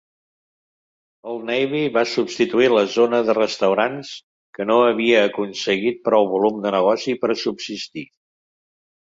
Old Navy va substituir la zona de restaurants, que no havia aconseguit prou volum de negoci per subsistir.